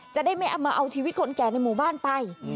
จะได้ไม่เอามาเอาชีวิตคนแก่ในหมู่บ้านไป